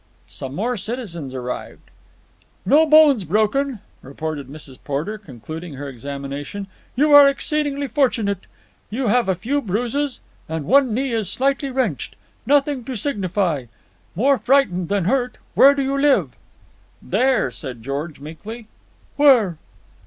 Some more citizens arrived. "No bones broken," reported Mrs. Porter, concluding her examination. "You are exceedingly fortunate. You have a few bruises, and one knee is slightly wrenched. Nothing to signify. More frightened than hurt. Where do you live?" "There," said George meekly. "Where?"